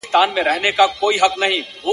او پر ښکلې نوراني ږیره به توی کړي!!